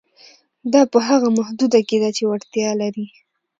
دا په هغه محدوده کې ده چې وړتیا لري.